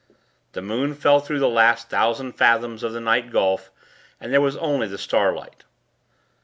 The moon fell through that last thousand fathoms of the night gulf, and there was only the starlight....